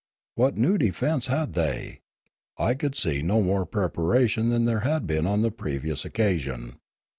What new defence had they ? I could see no more preparation than there had been on the pre vious occasion.